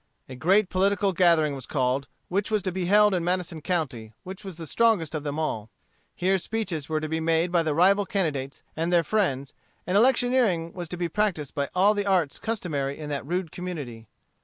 A great political gathering was called, which was to be held in Madison County, which was the strongest of them all. Here speeches were to be made by the rival candidates and their friends, and electioneering was to be practised by all the arts customary in that rude community.